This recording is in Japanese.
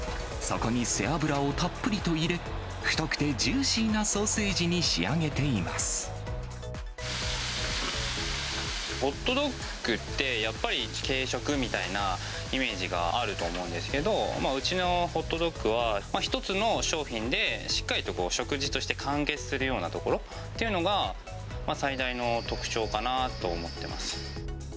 そこに背脂をたっぷりと入れ、太くてジューシーなソーセージにホットドッグって、やっぱり軽食みたいなイメージがあると思うんですけど、うちのホットドッグは、一つの商品で、しっかりと食事として完結するようなところというのが、最大の特徴かなと思っています。